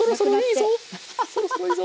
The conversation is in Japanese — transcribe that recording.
そろそろいいぞ！